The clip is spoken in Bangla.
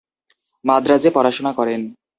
মাদ্রাজে পড়াশোনা করেন।